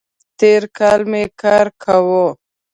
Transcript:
تېر کال می کار کاوو